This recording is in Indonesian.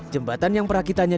jembatan yang perakitannya